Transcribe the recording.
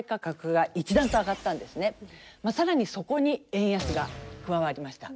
更にそこに円安が加わりました。